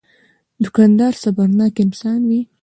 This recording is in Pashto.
دوکاندار صبرناک انسان وي.